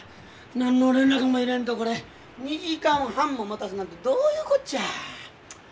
何の連絡も入れんとこれ２時間半も待たすなんてどういうこっちゃ。